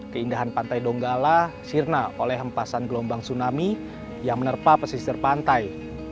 keindahan pantai donggala sirna oleh hempasan gelombang tsunami yang menerpa pesisir pantai